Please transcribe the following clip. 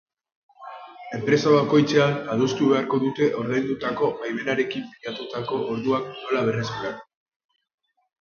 Enpresa bakoitzean adostu beharko dute ordaindutako baimenarekin pilatutako orduak nola berreskuratu.